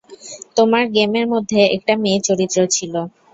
তোমার গেমের মধ্যে একটা মেয়ে চরিত্র ছিল।